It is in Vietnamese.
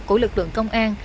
của lực lượng công an